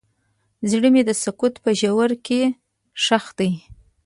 زړه مې د سکوت په ژوره کې ښخ دی.